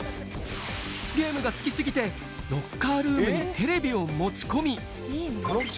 ゲームが好きすぎて、ロッカールームにテレビを持ち込み。